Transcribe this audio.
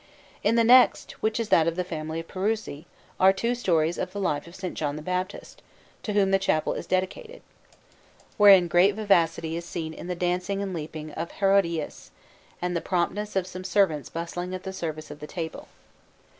In the next, which is that of the family of Peruzzi, are two stories of the life of S. John the Baptist, to whom the chapel is dedicated; wherein great vivacity is seen in the dancing and leaping of Herodias, and in the promptness of some servants bustling at the service of the table.